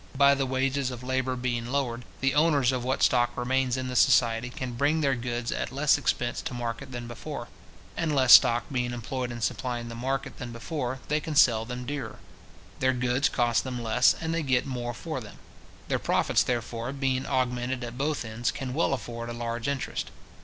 By the wages of labour being lowered, the owners of what stock remains in the society can bring their goods at less expense to market than before; and less stock being employed in supplying the market than before, they can sell them dearer. Their goods cost them less, and they get more for them. Their profits, therefore, being augmented at both ends, can well afford a large interest.